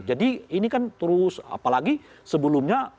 jadi ini kan terus apalagi sebelumnya